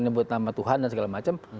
nyebut nama tuhan dan segala macam